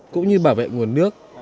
cũng như bảo vệ nguồn nước